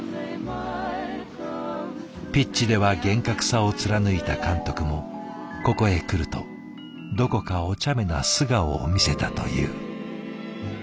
ピッチでは厳格さを貫いた監督もここへ来るとどこかおちゃめな素顔を見せたという。